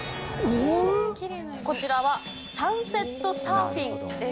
こちらはサンセットサーフィンです。